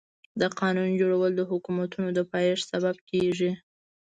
د قانون جوړول د حکومتونو د پايښت سبب کيږي.